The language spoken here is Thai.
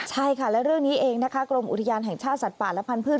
ใช่ค่ะและเรื่องนี้เองนะคะกรมอุทยานแห่งชาติสัตว์ป่าและพันธุ์